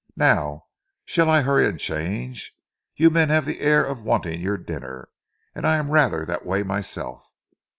Now shall I hurry and change? You men have the air of wanting your dinner, and I am rather that way myself.